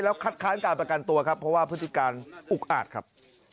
คัดค้านการประกันตัวครับเพราะว่าพฤติการอุกอาจครับ